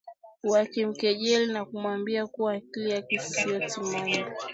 wakimkejeli na kumwambia kuwa akili yake sio timamu